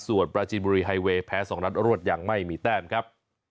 ส่วนปราจีนบุรีไฮเวย์แพ้๒นัดรวดยังไม่มีแต้มครับ